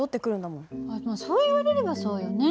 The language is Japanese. あっでもそう言われればそうよね。